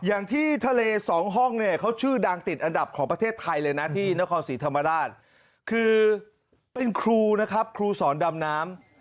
อย่างที่ทะเลสองห้องเนี่ยเขาชื่อดังติดอันดับของประเทศไทยเลยนะที่นครศรีธรรมราชคือเป็นครูนะครับครูสอนดำน้ำ